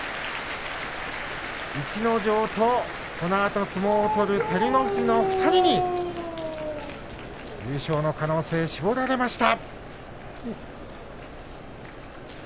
逸ノ城とこのあと相撲を取る照ノ富士の２人に優勝の可能性は絞られました。